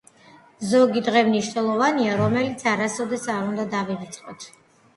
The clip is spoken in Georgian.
ზოგი დღე მნიშვნელოვანია რომელიც არასდროს არ უნდა დავივიწყოთ